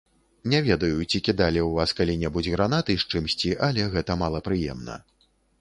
Не ведаю, ці кідалі ў вас калі-небудзь гранаты з чымсьці, але гэта малапрыемна.